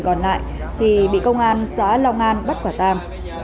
còn lại thì bị công an xã long an bắt quả tang